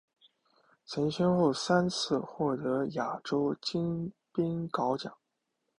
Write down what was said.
曾先后三次获得亚洲金冰镐奖。